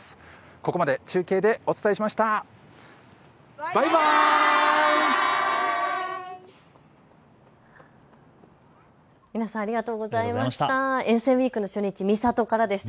ここまで中継でお伝えしました。